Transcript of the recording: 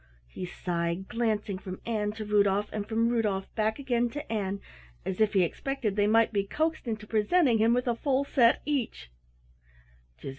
He sighed, glancing from Ann to Rudolf and from Rudolf back again to Ann, as if he expected they might be coaxed into presenting him with a full set each.